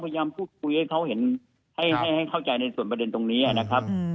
พยายามพูดคุยให้เขาเห็นให้เข้าใจในส่วนประเด็นตรงนี้นะครับ